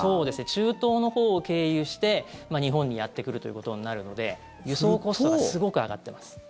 中東のほうを経由して、日本にやってくるということになるので輸送コストがすごく上がっています。